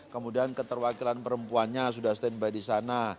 kemudian keterwakilan perempuannya sudah standby di sana